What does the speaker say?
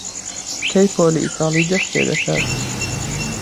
کەی پۆلی ئیتاڵی دەست پێ دەکات؟